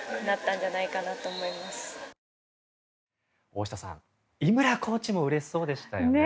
大下さん、井村コーチもうれしそうですよね。